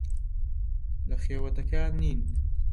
لە خێوەتەکەیان نین.